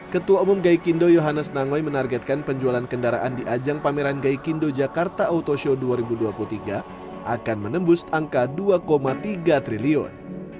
ketua umum gaikindo yohanes nangoi menargetkan penjualan kendaraan di ajang pameran gaikindo jakarta auto show dua ribu dua puluh tiga akan menembus angka dua tiga triliun